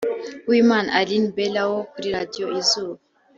Uwimana Aline Bella wo kuri Radio Izuba